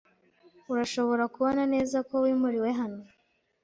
Urashobora kubona neza ko wimuriwe hano